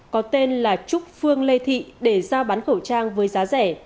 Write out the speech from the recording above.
có tên là trúc phương lê thị để giao bán khẩu trang với giá rẻ